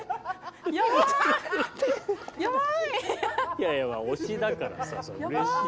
いやいやまあ推しだからさそれはうれしいよ。